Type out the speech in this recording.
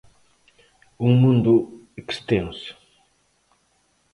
Un mundo extenso.